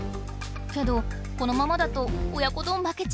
けどこのままだと親子丼負けちゃうよ？